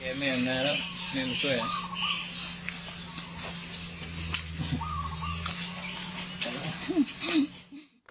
แก่ไม่เห็นแม่แล้วแม่มันเกลือน